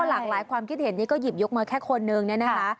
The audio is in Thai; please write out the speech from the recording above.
หากหลายความคิดเห็นนี้ก็หยิบยกเมาะแค่คนหนึ่งนะครับ